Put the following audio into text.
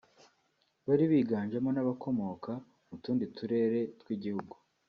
bari biganjemo n’abakomoka mu tundi turere tw’igihugu